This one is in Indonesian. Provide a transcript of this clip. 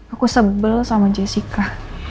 aku sebel sama jessica